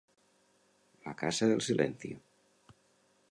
La casa del silencio.